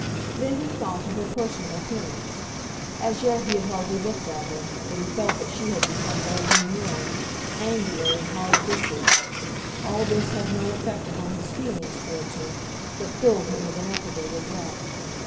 Then he thought of her personal appearance. As yet he had hardly looked at her, but he felt that she had become old and worn, angular and hard visaged. All this had no effect upon his feelings towards her, but filled him with ineffable regret.